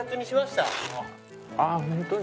あっホントに？